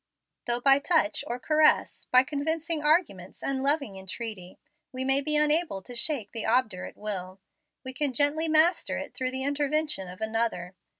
Though by touch or caress, by convincing arguments and loving entreaty, we may be unable to shake the obdurate will, we can gently master it through the intervention of another.